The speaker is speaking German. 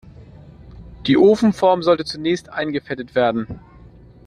Die Ofenform sollte zunächst eingefettet werden.